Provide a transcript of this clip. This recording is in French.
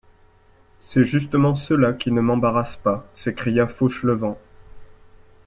C’est justement cela qui ne m’embarrasse pas, s’écria Fauchelevent.